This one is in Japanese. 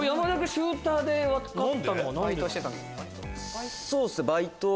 シューターで分かったのは何で？